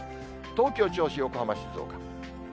東京、銚子、横浜、静岡。